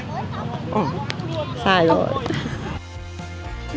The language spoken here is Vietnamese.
ừ sai rồi